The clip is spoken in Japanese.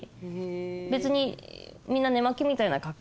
別にみんな。